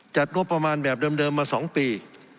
จัดงบประมาณแบบเดิมมา๒ปี